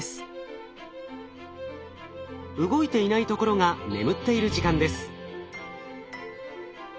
動いていないところが眠っている時間です。